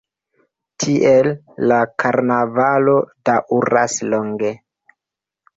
Tiel la karnavalo daŭras longe.